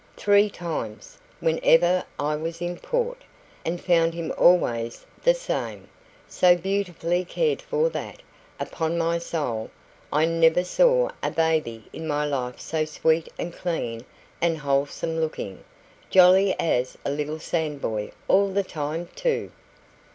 "Three times whenever I was in port. And found him always the same so beautifully cared for that, upon my soul, I never saw a baby in my life so sweet and clean and wholesome looking; jolly as a little sandboy all the time, too."